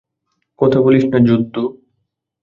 কথা বলিস না, বুদ্ধু!